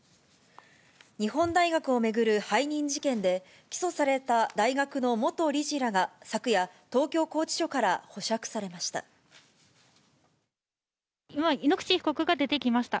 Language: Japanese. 日本大学を巡る背任事件で、起訴された大学の元理事らが昨夜、東京拘置所から保釈されました。